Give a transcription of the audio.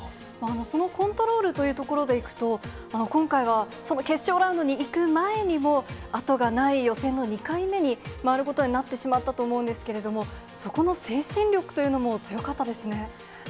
そのコントロールというところでいくと、今回は、その決勝ラウンドに行く前にもあとがない予選の２回目に回ることになってしまったと思うんですけれども、そこの精神力というのも強かったですね。